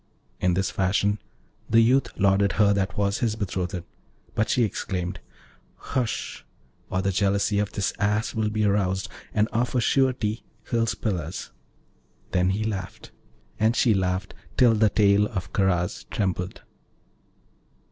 In this fashion the youth lauded her that was his betrothed, but she exclaimed, 'Hush! or the jealousy of this Ass will be aroused, and of a surety he'll spill us.' Then he laughed and she laughed till the tail of Karaz trembled.